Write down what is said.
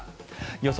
予想